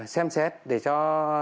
xem xét để cho